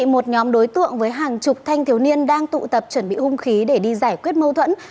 một nhóm đối tượng với hàng chục thanh thiếu niên đang tụ tập chuẩn bị hung khí để đi giải quyết mâu thuẫn